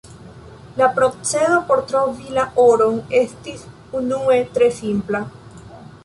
La procedo por trovi la oron estis unue tre simpla.